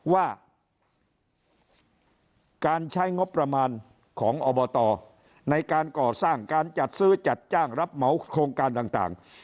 ว่าการใช้งบประมาณของอบตในการก่อสร้างการจัดซื้อจัดจ้างรับเหมาโครงการต่าง